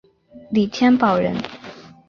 李添保人。